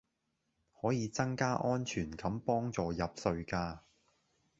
可以增加安全感幫助入睡架